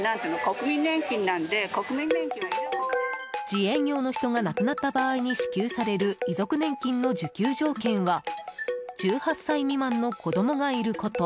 自営業の人が亡くなった場合に支給される遺族年金の受給条件は１８歳未満の子供がいること。